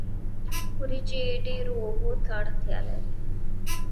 وریجې ډیرو اوبو ته اړتیا لري